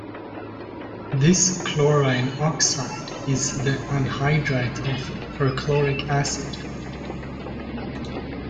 This chlorine oxide is the anhydride of perchloric acid.